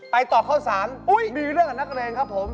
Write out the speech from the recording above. ไปต่อข้าวสารอุ๊ยมีเรื่องกับนักเรงครับผม